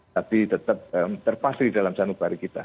tapi tetap terpasri dalam sanubari kita